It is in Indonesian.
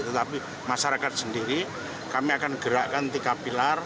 tetapi masyarakat sendiri kami akan gerakkan tiga pilar